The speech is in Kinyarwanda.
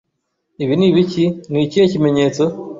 Ibi ni ibiki Ni ikihe kimenyetso